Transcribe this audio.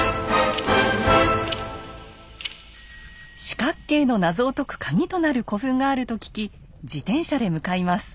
四角形の謎を解くカギとなる古墳があると聞き自転車で向かいます。